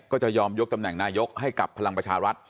ก็จะยอมยกตำแหน่งนายกให้กับพลังประชารัฐ